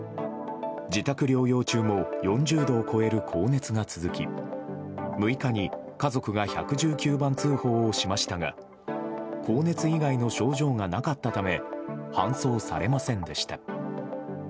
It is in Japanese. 自宅療養中も４０度を超える高熱が続き６日に家族が１１９番通報をしましたが高熱以外の症状がなかったため搬送されませんでした。